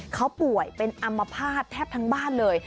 เขาป่วยเป็นอัมพาตแทบทั้งบ้านเลย